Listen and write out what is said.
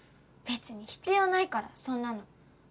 別に必要ないからそんなの。